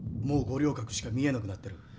もう五稜郭しか見えなくなってる。